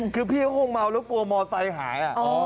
คือพี่โครงเมาแล้วกลัวมอเตยหาย